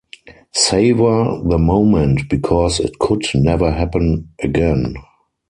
Savor the moment, because it could never happen again.